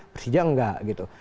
persija enggak gitu